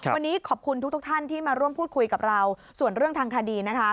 วันนี้ขอบคุณทุกท่านที่มาร่วมพูดคุยกับเราส่วนเรื่องทางคดีนะคะ